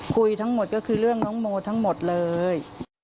คุยทั้งหมดก็คือเรื่องน้องโมทั้งหมดเลย